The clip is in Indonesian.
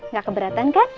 gak keberatan kan